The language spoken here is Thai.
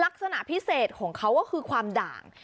ลักษณะพิเศษของเขาก็คือความด่าง